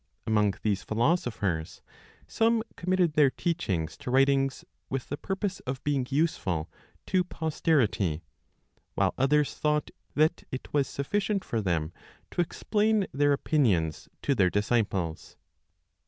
Among these philosophers, some committed their teachings to writings, with the purpose of being useful to posterity, while others thought that it was sufficient for them to explain their opinions to their disciples.